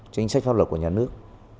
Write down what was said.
chính sách pháp luật của nhà nước